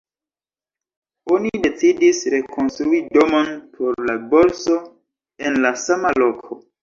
Oni decidis rekonstrui domon por la borso en la sama loko.